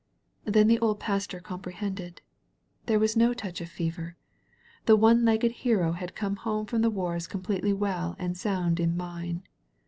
Then the old Pastor comprehended. There was no touch of fever. The one legged Hero had come home from the wars completely well and sound in mind.